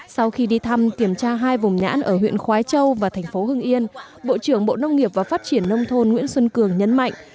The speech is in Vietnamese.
sau khi đi thăm kiểm tra hai vùng nhãn ở huyện khói châu và thành phố hưng yên bộ trưởng bộ nông nghiệp và phát triển nông thôn nguyễn xuân cường nhấn mạnh